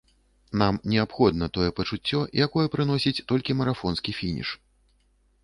Нам неабходна тое пачуццё, якое прыносіць толькі марафонскі фініш.